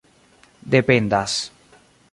dependas